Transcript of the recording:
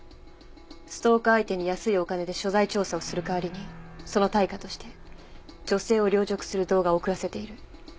ストーカー相手に安いお金で所在調査をする代わりにその対価として女性を陵辱する動画を送らせている。